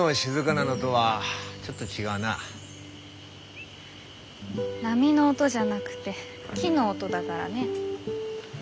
波の音じゃなくて木の音だがらね。